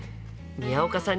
宮岡さん